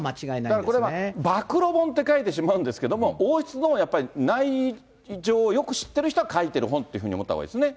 だからこれは暴露本って書いてしまうんですけども、王室のやっぱり、内情をよく知ってる人が書いてる本って思ったほうがいいですね。